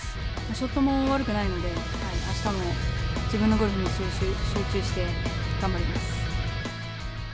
ショットも悪くないので、あしたも自分のゴルフに集中して頑張ります。